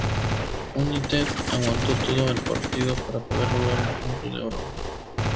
United aguantó todo el partido para poder lograr un punto de oro.